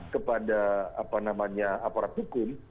kepada apa namanya aparat hukum